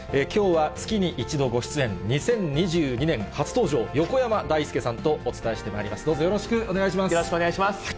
きょうは月に１度ご出演、２０２２年初登場、横山だいすけさんとお伝えしてまいります。